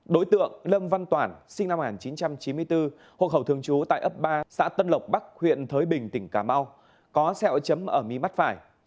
đối tượng lâm văn toản sinh năm một nghìn chín trăm chín mươi bốn hộ khẩu thường trú tại ấp ba xã tân lộc bắc huyện thới bình tỉnh cà mau có xeo chấm ở mi mắt phải